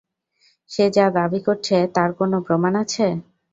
সে যা দাবি করছে তার কোন প্রমাণ আছে?